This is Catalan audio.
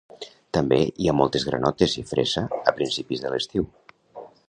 També hi ha moltes granotes i fresa a principis de l'estiu.